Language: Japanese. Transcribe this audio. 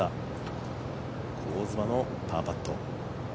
香妻のパーパット。